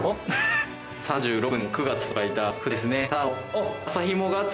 ３６年９月と書いた札ですね。